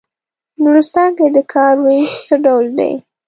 په نورستان کې د کار وېش څه ډول دی.